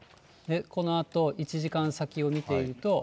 このあと１時間先を見ていくと。